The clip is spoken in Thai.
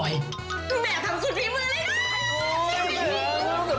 โอ้โฮเมียแต่พ่อรู้เหมือนแม่ซื้อมาว่ะเนี่ย